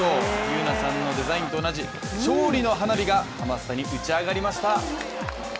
優来さんのデザインと同じ勝利の花火がハマスタに打ち上がりました。